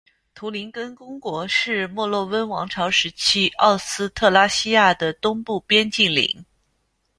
图林根公国是墨洛温王朝时期奥斯特拉西亚的东部边境领。